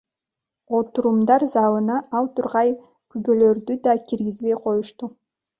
Отурумдар залына ал тургай күбөлөрдү да киргизбей коюшту!